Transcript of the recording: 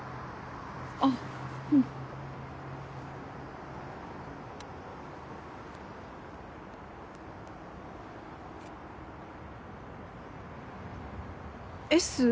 あっうん「Ｓ」？